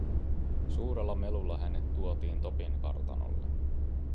Suurella melulla hänet tuotiin Topin kartanolle.